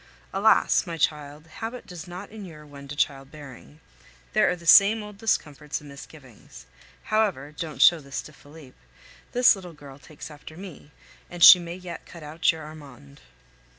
Alas! my child, habit does not inure one to child bearing. There are the same old discomforts and misgivings. However (don't show this to Felipe), this little girl takes after me, and she may yet cut out your Armand.